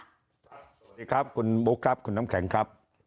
สวัสดีครับคุณบุ๊คครับคุณน้ำแข็งครับ